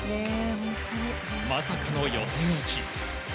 まさかの予選落ち。